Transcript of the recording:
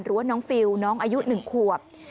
หรือว่าน้องฟิลน้องอายุ๑ขวบ